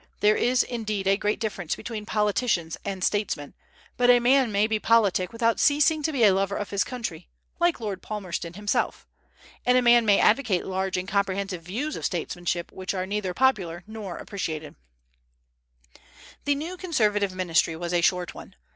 There is, indeed, a great difference between politicians and statesmen; but a man may be politic without ceasing to be a lover of his country, like Lord Palmerston himself; and a man may advocate large and comprehensive views of statesmanship which are neither popular nor appreciated. The new Conservative ministry was a short one.